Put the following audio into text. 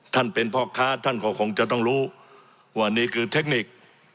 เป็นพ่อค้าท่านก็คงจะต้องรู้ว่านี่คือเทคนิค